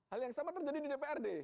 hal yang sama terjadi di dprd